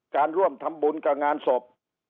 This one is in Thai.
การร่วมทำบุญกับงานศพ